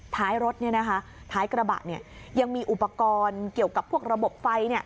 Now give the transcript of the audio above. ท้ายรถท้ายกระบะเนี่ยยังมีอุปกรณ์เกี่ยวกับพวกระบบไฟ